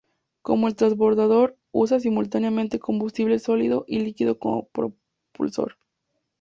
Como en el transbordador, usa simultáneamente combustible sólido y líquido como propulsor.